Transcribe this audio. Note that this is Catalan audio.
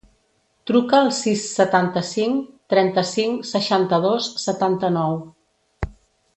Truca al sis, setanta-cinc, trenta-cinc, seixanta-dos, setanta-nou.